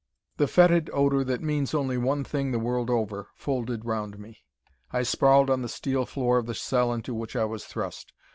The fetid odor that means only one thing the world over, folded round me. I sprawled on the steel floor of the cell into which I was thrust.